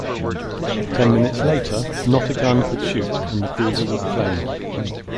Ten minutes later not a gun could shoot and the cruiser was aflame.